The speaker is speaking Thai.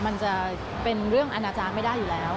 มันจะเป็นเรื่องอนาจารย์ไม่ได้อยู่แล้ว